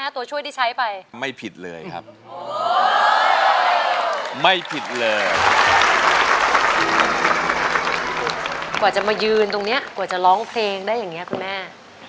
ตอนนี้กว่าจะร้องเพลงได้อย่างนี้คุณแม่